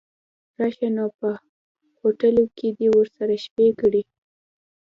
راشه نو په هوټلو کې دې ورسره شپې کړي.